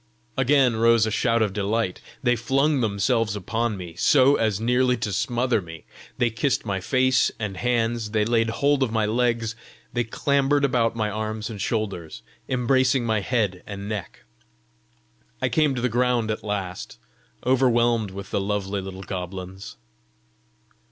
Again rose a shout of delight; they flung themselves upon me, so as nearly to smother me; they kissed my face and hands; they laid hold of my legs; they clambered about my arms and shoulders, embracing my head and neck. I came to the ground at last, overwhelmed with the lovely little goblins.